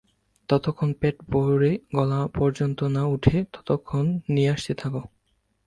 যতক্ষণ পেট ভরে গলা পর্যন্ত না উঠে ততক্ষণ নিয়ে আসতে থাকো।